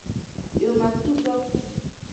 یو مکتوب راکړ.